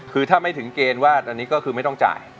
คือถ้าไม่ถึงเกณฑ์ว่าอันนี้ก็คือไม่ต้องจ่าย